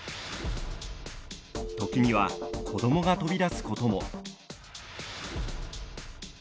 時には子供が飛び出すことも。